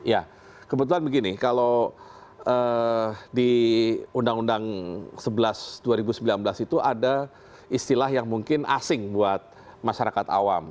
ya kebetulan begini kalau di undang undang sebelas dua ribu sembilan belas itu ada istilah yang mungkin asing buat masyarakat awam